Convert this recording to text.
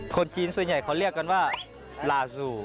คนจีนส่วนใหญ่เขาเรียกกันว่าลาซู